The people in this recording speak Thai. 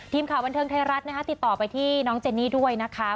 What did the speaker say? ทีมข่าวบันเทิงไทยรัฐนะคะติดต่อไปที่น้องเจนนี่ด้วยนะคะ